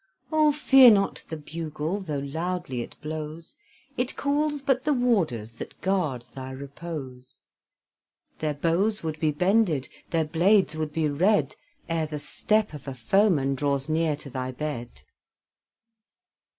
Oh, fear not the bugle, though loudly it blows, It calls but the warders that guard thy repose; Their bows would be bended, their blades would be red, Ere the step of a foeman draws near to thy bed.